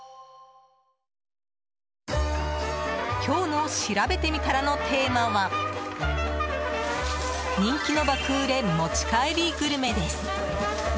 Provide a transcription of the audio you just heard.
今日のしらべてみたらのテーマは人気の爆売れ持ち帰りグルメです。